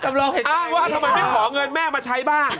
เราเห็นว่าทำไมไม่ขอเงินแม่มาใช้บ้าง